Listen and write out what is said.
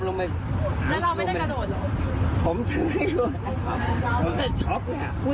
เรื่องที่ฉบเนี่ย